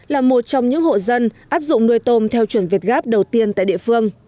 là một trong những hộ dân áp dụng nuôi tôm theo chuẩn việt gáp đầu tiên tại địa phương